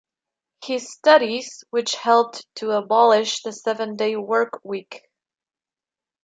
His studies which helped to abolish the seven-day work week.